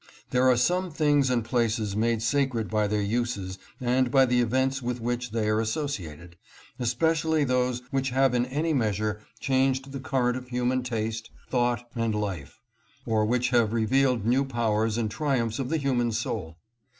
There are some things and places made sacred by their uses and by the events with which they are associated, especially those which have in any measure changed the current of human taste, thought, 692 OBJECTS OF INTEREST AT GENOA. and life, or which have revealed new powers and triumphs of the human soul.